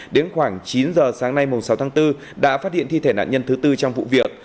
đến khoảng chín giờ sáng nay sáu tháng bốn đã phát hiện thi thể nạn nhân thứ tư trong vụ việc